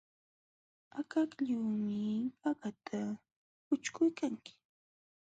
Akakllunuumi qaqata ućhkuykanki.